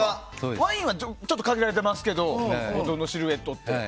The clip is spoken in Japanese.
ワインは限られてますけどボトルのシルエットって。